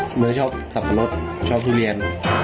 มันไม่ชอบสับแปะชอบทุเรียน